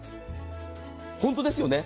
本当ですよね。